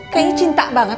kayaknya cinta banget